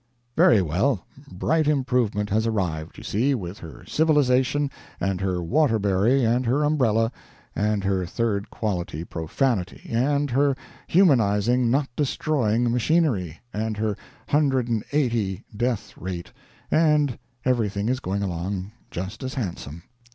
Very well, Bright Improvement has arrived, you see, with her civilization, and her Waterbury, and her umbrella, and her third quality profanity, and her humanizing not destroying machinery, and her hundred and eighty death rate, and everything is going along just as handsome!